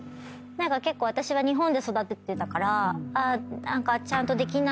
結構私は日本で育ててたからちゃんとできない。